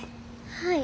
はい。